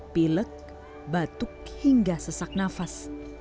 pilek batuk hingga sesak nafas